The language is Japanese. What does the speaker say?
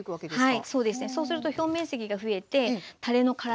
はい。